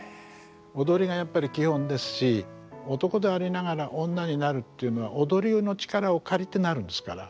踊りがやっぱり基本ですし男でありながら女になるっていうのは踊りの力を借りてなるんですから。